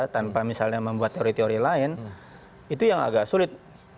tanpa misalnya membuat teori teori lain itu yang agak sulit